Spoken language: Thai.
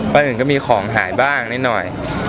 บ้านอื่นก็มีของหายบ้างนิดหน่อย